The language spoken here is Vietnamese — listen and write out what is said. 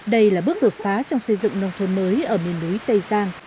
đây là bước đột phá trong xây dựng nông thôn mới ở miền núi tây giang